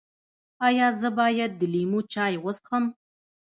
ایا زه باید د لیمو چای وڅښم؟